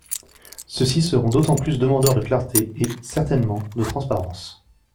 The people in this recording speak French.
Ceux-ci seront d’autant plus demandeurs de clarté et, certainement, de transparence.